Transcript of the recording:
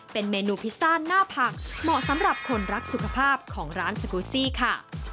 เป็นเมนูพิซซ่าหน้าผักเหมาะสำหรับคนรักสุขภาพของร้านสกูซี่ค่ะ